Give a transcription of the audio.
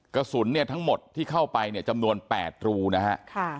กระสุนทั้งหมดที่เข้าไปจำนวน๘รูนะครับ